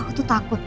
aku tuh takut mas